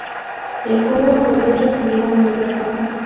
El juego fue bien recibido en el mercado.